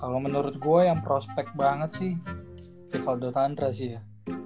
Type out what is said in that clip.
kalau menurut gue yang prospek banget sih rivaldo tandra sih ya